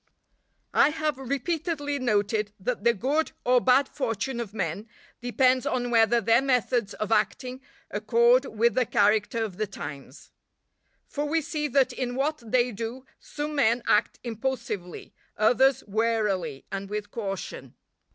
_ I have repeatedly noted that the good or bad fortune of men depends on whether their methods of acting accord with the character of the times. For we see that in what they do some men act impulsively, others warily and with caution.